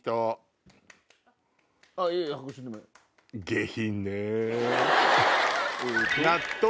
下品ね。